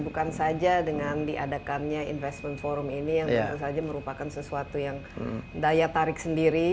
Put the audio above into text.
bukan saja dengan diadakannya investment forum ini yang tentu saja merupakan sesuatu yang daya tarik sendiri